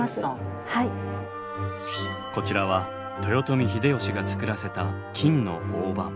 こちらは豊臣秀吉が造らせた金の大判。